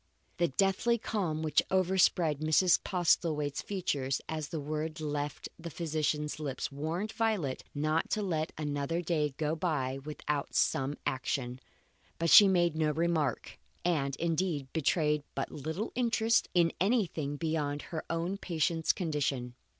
The deathly calm which overspread Mrs. Postlethwaite's features as this word left the physician's lips warned Violet not to let another day go by without some action. But she made no remark, and, indeed, betrayed but little interest in anything beyond her own patient's condition.